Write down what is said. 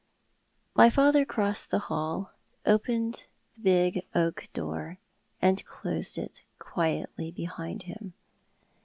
My father crossed the hall, opened the big oak door, and closed it quietly behind him.